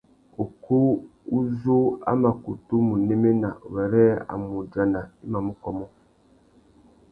Ukú u zú a mà kutu mù néména wêrê a mù udjana i mà mù kômô.